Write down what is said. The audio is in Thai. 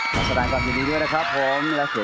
แชมป์กลุ่มนี้คือ